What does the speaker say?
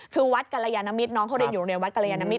คือวัดกรรยานมิตรน้องเขาเล่นอยู่ตรงนี้